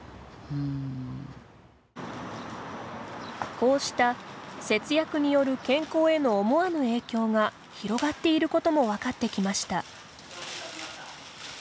こうした節約による健康への思わぬ影響が広がっていることも分かってきました。